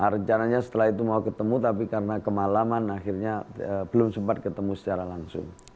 rencananya setelah itu mau ketemu tapi karena kemalaman akhirnya belum sempat ketemu secara langsung